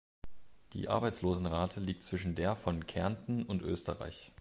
Die Arbeitslosenrate liegt zwischen der von Kärnten und Österreich.